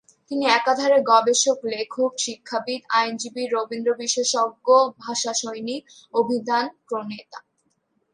তিনি একাধারে গবেষক, লেখক, শিক্ষাবিদ, আইনজীবী, রবীন্দ্র বিশেষজ্ঞ, ভাষা সৈনিক, অভিধানপ্রণেতা।